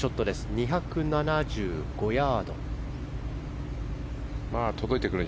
２７５ヤード。